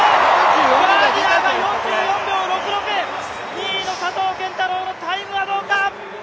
２位の佐藤拳太郎のタイムはどうか！